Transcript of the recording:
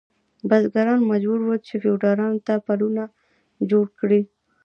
بزګران مجبور ول چې فیوډالانو ته پلونه جوړ کړي.